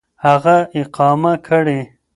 هغه اقامه كړي .